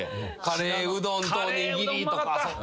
カレーうどんとおにぎりとか。